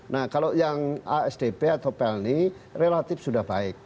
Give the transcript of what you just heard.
nah kalau yang asdp atau pelni relatif sudah baik